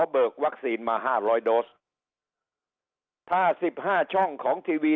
เบิกวัคซีนมาห้าร้อยโดสถ้าสิบห้าช่องของทีวี